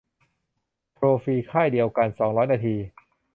โทรฟรีค่ายเดียวกัน สองร้อยนาที